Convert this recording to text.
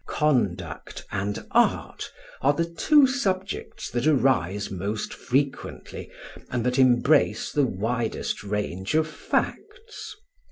Conduct and art are the two subjects that arise most frequently and that embrace the widest range of facts.